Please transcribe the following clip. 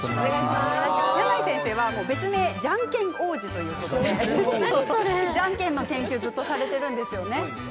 矢内先生は別名じゃんけん王子ということでじゃんけんの研究をずっとされているんですね。